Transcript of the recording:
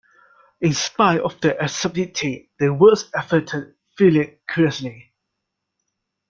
In spite of their absurdity the words affected Philip curiously.